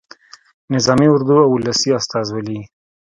نظامي اردو او ولسي استازولي.